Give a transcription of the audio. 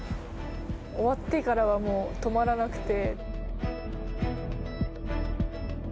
終わってからはもう、止まらなくて。